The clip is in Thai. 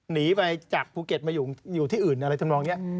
หนีไปจากภูเก็ตมาอยู่ที่อื่น